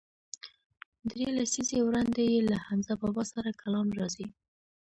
درې لسیزې وړاندې یې له حمزه بابا سره کلام راځي.